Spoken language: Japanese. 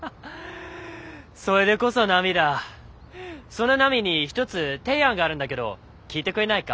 そんな奈美に一つ提案があるんだけど聞いてくれないか？